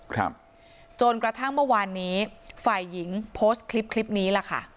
ครับจนกระทั่งเมื่อวานนี้ฝ่ายหญิงโพสต์คลิปคลิปนี้ล่ะค่ะ